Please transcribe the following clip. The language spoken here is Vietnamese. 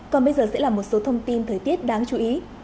còn bây giờ sẽ là một số thông tin thời tiết đáng chú ý